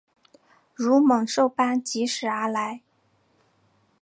如猛兽般疾驶而来